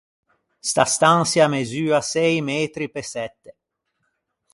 Sta stançia a mesua sëi metri pe sette.